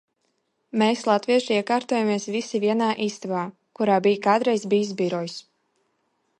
Mēs latvieši iekārtojāmies visi vienā istabā – kurā bija kādreiz bijis birojs.